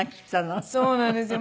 そうなんですよ。